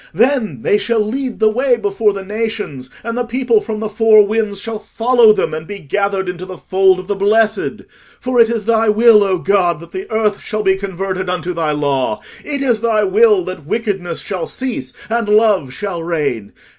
Then they shall lead the way before the nations, and the people from the four winds shall follow them, and be gathered into the fold of the blessed. For it is thy will, O God, that the earth shall be converted unto thy law: it is thy will that wickedness shall cease and love shall reign.